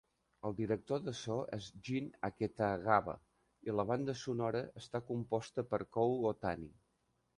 El director de so és Jin Aketagawa i la banda sonora està composta per Kow Otani.